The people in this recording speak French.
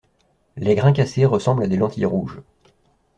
Les grains cassés ressemblent à des lentilles rouges.